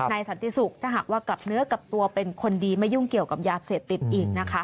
สันติศุกร์ถ้าหากว่ากลับเนื้อกลับตัวเป็นคนดีไม่ยุ่งเกี่ยวกับยาเสพติดอีกนะคะ